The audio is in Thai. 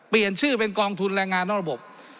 เปลี่ยนชื่อเป็นกองทุนแรงงานนอกระบบ